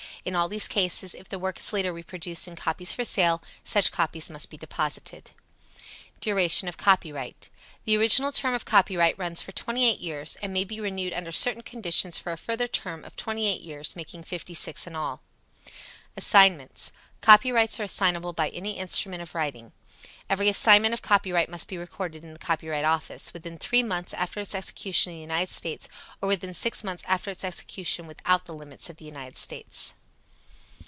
In all these cases, if the work is later reproduced in copies for sale, such copies must be deposited. Duration of Copyright. The original term of copyright runs for twenty eight years, and may be renewed under certain conditions for a further term of twenty eight years, making fifty six years in all. Assignments. Copyrights are assignable by any instrument of writing. Every assignment of copyright must be recorded in the Copyright Office within three months after its execution in the United States or within six months after its execution without the limits of the United States.